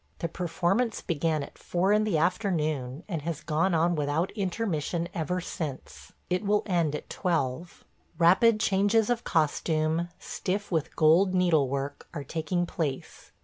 The performance began at four in the afternoon, and has gone on without intermission ever since. It will end at twelve. Rapid changes of costume – stiff with gold needlework – are taking place.